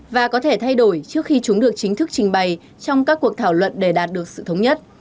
và có thể thay đổi trước khi chúng được chính thức trình bày trong các cuộc thảo luận để đạt được sự thống nhất